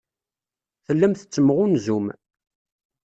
Tellam tettemɣanzum.